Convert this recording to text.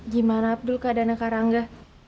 gimana abdul kak dana karangga